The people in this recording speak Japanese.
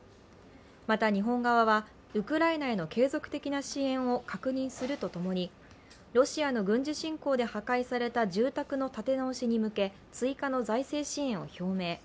また日本側は、ウクライナへの継続的な支援を確認するとともにロシアの軍事侵攻で破壊された住宅の建て直しに向け追加の財政支援を表明。